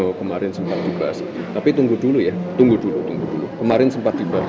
oh kemarin sempat dibahas tapi tunggu dulu ya tunggu dulu tunggu dulu kemarin sempat dibahas